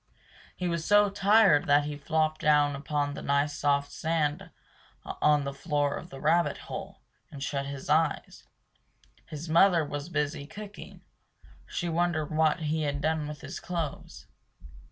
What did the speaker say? He was so tired that he flopped down upon the nice soft sand on the floor of the rabbit hole, and shut his eyes. His mother was busy cooking; she wondered what he had done with his clothes.